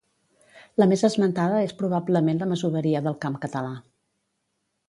La més esmentada és probablement la masoveria del camp català.